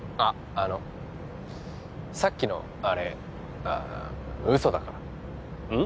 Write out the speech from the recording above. あのさっきのあれあ嘘だからうん？